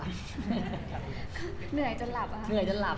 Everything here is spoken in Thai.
เหนื่อยจนหลับ